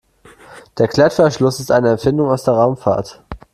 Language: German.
Der Klettverschluss ist eine Erfindung aus der Raumfahrt.